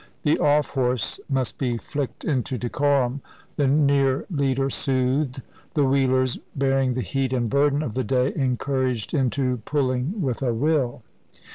The off horse must be flicked into decorum, the near leader soothed, the wheelers, bearing the heat and burden of the day, encouraged into pulling with a will.